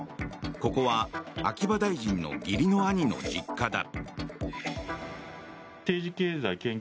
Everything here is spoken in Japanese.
ここは秋葉大臣の義理の兄の実家だ。